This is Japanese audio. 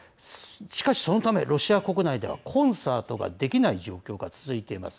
しかし、そのためロシア国内ではコンサートができない状況が続いています。